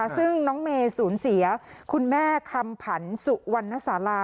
ซึ่งน้องเมย์สูญเสียคุณแม่คำผันสุวรรณสารา